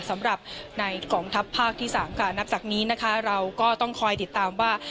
สำหรับในกองทัพภาคที่สามค่ะนับจากนี้นะคะเราก็ต้องคอยติดตามว่า